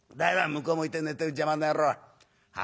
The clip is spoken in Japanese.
向こう向いて寝てる邪魔な野郎は？」。